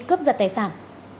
cướp giật tài sản